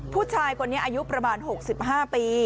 ผู้ชายคนนี้อายุประมาณ๖๕ปี